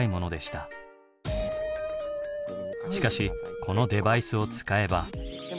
しかしこのデバイスを使えば。